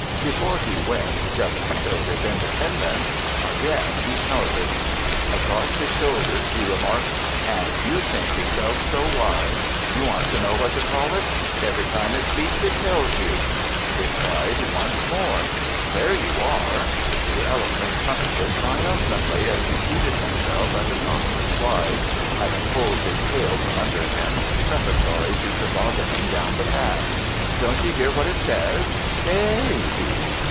Before he went, just to show his independence, again he snorted. Across his shoulder he remarked. "And you think yourself so wise! You want to know what to call it. Every time it speaks it tells you." It cried once more. "There you are!" The elephant trumpeted triumphantly as he seated himself at the top of the slide, having pulled his tail from under him preparatory to tobogganning down the path. "Don't you hear what it says? 'Baa aa by!